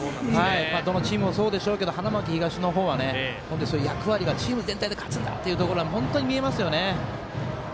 どのチームもそうでしょうけど花巻東の方は役割がチーム全体で勝つんだ！というところが本当に見えますよね。